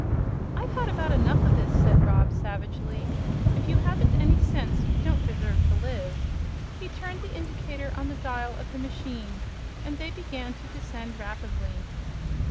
"I've had about enough of this," said Rob, savagely. "If you haven't any sense you don't deserve to live." He turned the indicator on the dial of the machine and they began to descend rapidly.